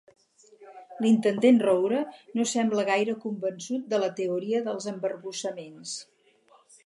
L'intendent Roure no sembla gaire convençut de la teoria dels embarbussaments.